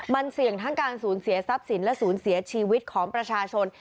มันเสี่ยงทั้งการสูญเสียทรัพย์สินและศูนย์เสียชีวิตของประชาชน